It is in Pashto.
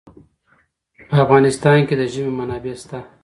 په افغانستان کې د ژمی منابع شته.